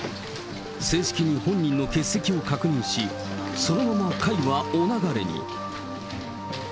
正式に本人の欠席を確認し、そのまま会はお流れに。